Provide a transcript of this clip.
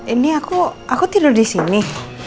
ini aku tidur di sini